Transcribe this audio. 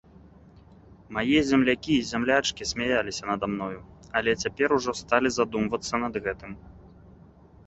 Мае землякі і зямлячкі смяяліся нада мною, але цяпер ужо сталі задумвацца над гэтым.